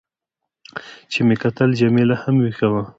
چې مې کتل، جميله هم وېښه وه.